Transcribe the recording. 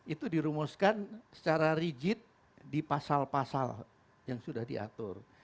itu dirumuskan secara rigid di pasal pasal yang sudah diatur